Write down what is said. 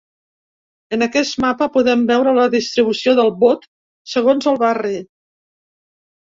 En aquest mapa podeu veure la distribució del vot segons el barri.